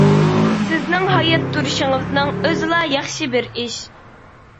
سىزنىڭ ھايات تۇرۇشىڭىزنىڭ ئۆزىلا ياخشى بىر ئىش.